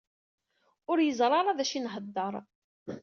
Ur yeẓri ara d acu i ihedder.